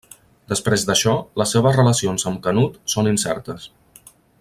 Després d'això, les seves relacions amb Canut són incertes.